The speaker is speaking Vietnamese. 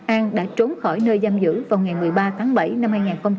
an đã trốn khỏi nơi giam giữ vào ngày một mươi ba tháng bảy năm hai nghìn hai mươi ba